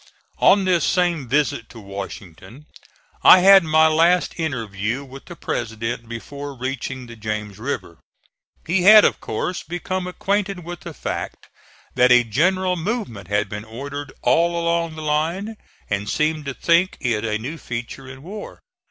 On this same visit to Washington I had my last interview with the President before reaching the James River. He had of course become acquainted with the fact that a general movement had been ordered all along the line, and seemed to think it a new feature in war.